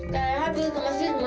kaya aku di kemasin mak